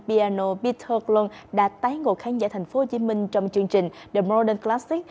piano peter lund đã tái ngộ khán giả tp hcm trong chương trình the modern classic